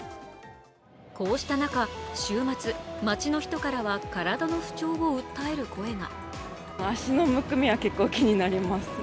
こうした中、週末、街の人からは体の不調を訴える声が。